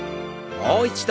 もう一度。